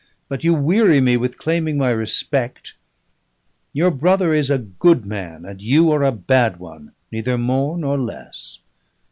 "But you weary me with claiming my respect. Your brother is a good man, and you are a bad one neither more nor less."